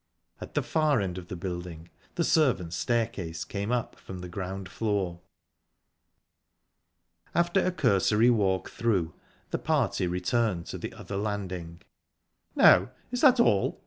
At the far end of the building the servants' staircase came up from the ground floor. After a cursory walk through, the party returned to the other landing. "Now, is that all?"